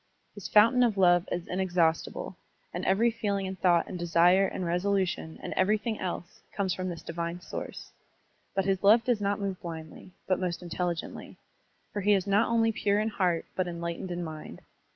His fountain of love is inexhaustible, and every feeling and thought and desire and resolution and everything else comes from this divine source; but his love does not move blindly, but most intelligently, for he is not only pure in heart but enlightened in mind.